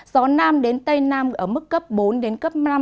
gió nam đến tây nam ở mức cấp bốn đến cấp năm